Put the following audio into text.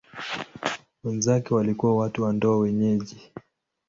Wenzake walikuwa watu wa ndoa wenyeji.